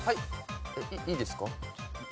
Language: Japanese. いいですか？